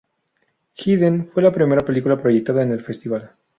Hyde" fue la primera película proyectada en el festival.